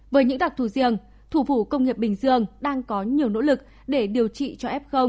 với những đặc thù riêng thủ phủ công nghiệp bình dương đang có nhiều nỗ lực để điều trị cho f